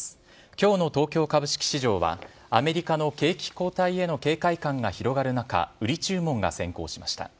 きょうの東京株式市場は、アメリカの景気後退への警戒感が広がる中、売り注文が先行しました。